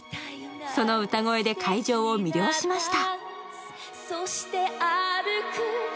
その歌声で会場を魅了しました。